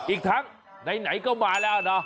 อีกทั้งไหนก็มาแล้วเนอะ